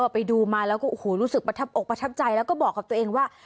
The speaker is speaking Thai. ไปดูมาแล้วก็โอ้โหรู้สึกประทับอกประทับใจแล้วก็บอกกับตัวเองว่า